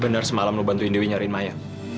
benar semalam lo bantuin dewi nyari maya